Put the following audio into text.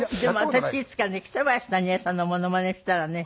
でも私いつかね北林谷栄さんのモノマネしたらね